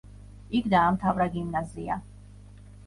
იქ დაამთავრა გიმნაზია.